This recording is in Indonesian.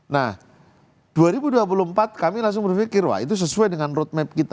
nah dua ribu dua puluh empat kami langsung berpikir wah itu sesuai dengan roadmap kita